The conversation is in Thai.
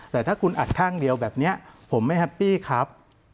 แต่ถ้าคุณอัดข้างเดียวแบบนี้ผมไม่แฮปปี้ครับ